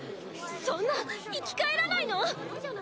そんな⁉生き返らないの⁉